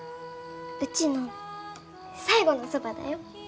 うちの最後のそばだよ。